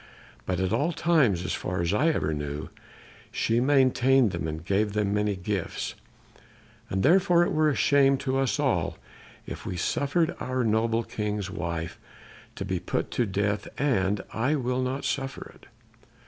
But at all times, as far as I ever knew, she maintained them and gave them many gifts. And therefore it were a shame to us all if we suffered our noble King's wife to be put to death, and I will not suffer it.